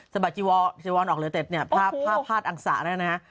สบัดจิวรออกเลยแต่เนี่ยพาดอังษาแล้วนะฮะ